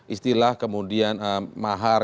istilah kemudian mahar